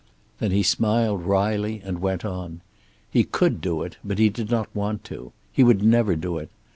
Then he smiled wryly and went on. He could do it, but he did not want to. He would never do it.